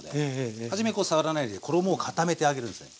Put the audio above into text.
はじめ触らないで衣を固めてあげるんですね。